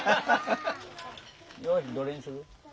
よしどれにする？